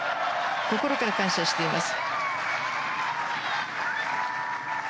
心から感謝しています。